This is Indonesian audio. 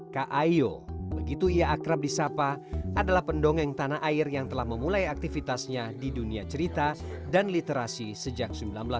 ka ayo begitu ia akrab di sapa adalah pendongeng tanah air yang telah memulai aktivitasnya di dunia cerita dan literasi sejak seribu sembilan ratus delapan puluh